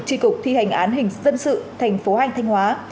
tri cục thi hành án hình dân sự thành phố anh thanh hóa